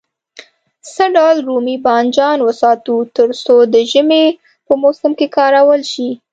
څه ډول رومي بانجان وساتو تر څو د ژمي په موسم کې کارول شي.